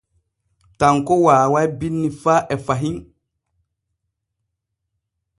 Tanko waaway binni faa e fahin.